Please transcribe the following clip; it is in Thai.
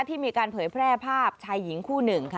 ที่มีการเผยแพร่ภาพชายหญิงคู่หนึ่งค่ะ